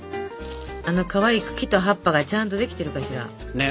あのかわいい茎と葉っぱがちゃんとできてるかしら。ね。